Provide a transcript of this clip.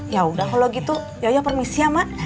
ya udah kalau gitu yoyo permisi ya ma